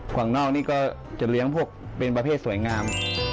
วังนอกนี่ก็จะเลี้ยงพวกเป็นประเภทสวยงาม